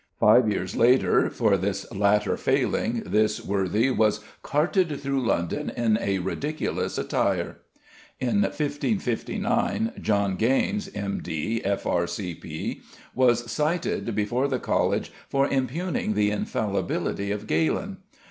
Five years later, for this latter failing, this worthy "was carted through London in a ridiculous attire." In 1559, John Geynes, M.D., F.R.C.P., was cited before the College for impugning the infallibility of Galen.